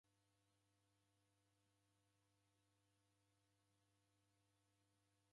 Muka useneko rusa efundisha